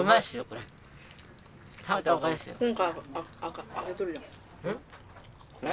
これ？